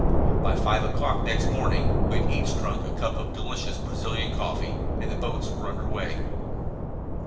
By five o'clock next morning we had each drunk a cup of delicious Brazilian coffee, and the boats were under way.